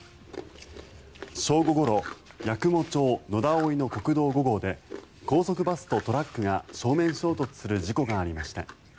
正午ごろ八雲町野田生の国道５号で高速バスとトラックが正面衝突する事故がありました。